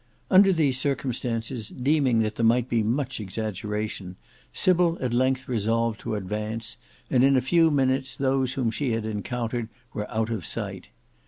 Under these circumstances, deeming that there might be much exaggeration, Sybil at length resolved to advance, and in a few minutes those whom she had encountered were out of sight.